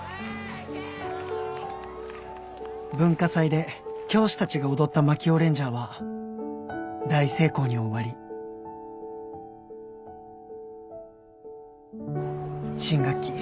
文化祭で教師たちが踊った槙尾レンジャーは大成功に終わり新学期